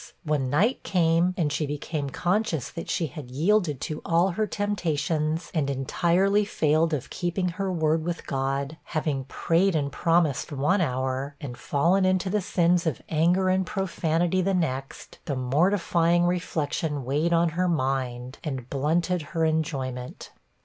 when night came, and she became conscious that she had yielded to all her temptations, and entirely failed of keeping her word with God, having prayed and promised one hour, and fallen into the sins of anger and profanity the next, the mortifying reflection weighed on her mind, and blunted her enjoyment.